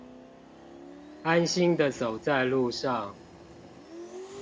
安心的走在路上